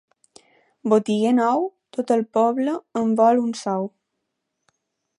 Botiguer nou, tot el poble en vol un sou.